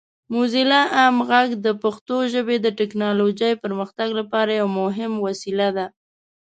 موزیلا عام غږ د پښتو ژبې د ټیکنالوجۍ پرمختګ لپاره یو مهم وسیله ده.